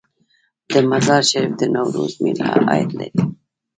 د مزار شریف د نوروز میله عاید لري؟